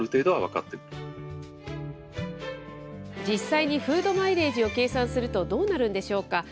実際にフード・マイレージを計算するとどうなるんでしょうか。